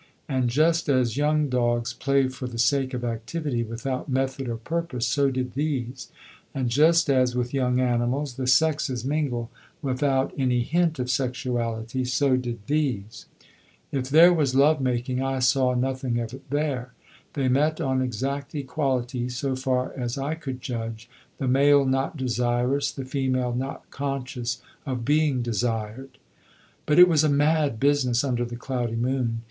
And just as young dogs play for the sake of activity, without method or purpose, so did these; and just as with young animals the sexes mingle without any hint of sexuality, so did these. If there was love making I saw nothing of it there. They met on exact equality so far as I could judge, the male not desirous, the female not conscious of being desired. But it was a mad business under the cloudy moon.